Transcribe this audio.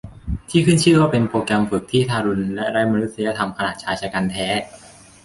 ที่ขึ้นชื่อว่าเป็นโปรแกรมฝึกที่ทารุณและไร้มนุษยธรรมขนาดชายฉกรรจ์แท้